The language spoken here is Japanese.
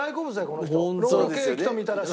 この人ロールケーキとみたらし。